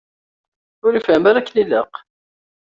Ur ifehhem ara akken ilaq.